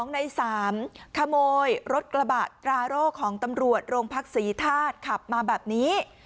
ใน๓ขโมยรถกระบะตราโร่ของตำรวจโรงพักศรีธาตุขับมาแบบนี้